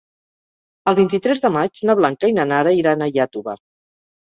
El vint-i-tres de maig na Blanca i na Nara iran a Iàtova.